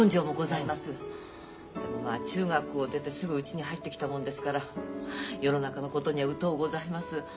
でもまあ中学を出てすぐうちに入ってきたもんですから世の中のことには疎うございます。